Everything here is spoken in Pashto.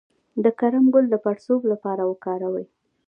د کرم ګل د پړسوب لپاره وکاروئ